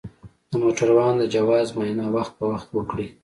د موټروان د جواز معاینه وخت په وخت وکړئ.